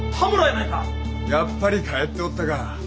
やっぱり帰っておったか。